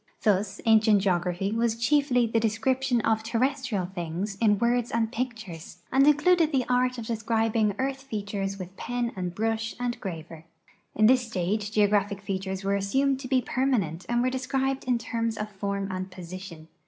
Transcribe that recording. Thus ancient geography was chiefly the description of terrestrial things in words and pictures, and included the art of descrilfing earth features with pen and l)rush and graver. In this stage geograj)hic features were assumed to be j)ermanent and were described in terms of form and position.